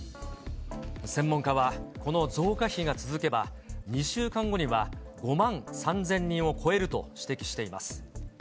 専門家はこの増加比が続けば、２週間後には５万３０００人を超えると指摘しています。